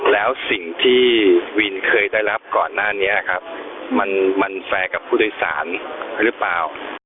แล้วสิ่งที่วินเคยได้รับก่อนหน้านี้ครับมันแฟร์กับผู้โดยสารหรือเปล่า